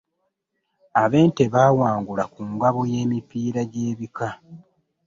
Ab'ente bawangula ku ngabo y'emipiira gy'ebika.